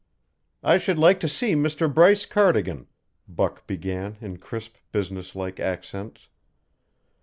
"I should like to see Mr. Bryce Cardigan," Buck began in crisp businesslike accents.